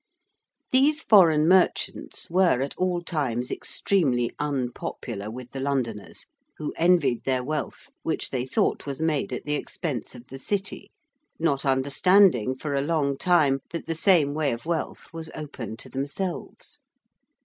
These foreign merchants were at all times extremely unpopular with the Londoners, who envied their wealth, which they thought was made at the expense of the City, not understanding, for a long time, that the same way of wealth was open to themselves.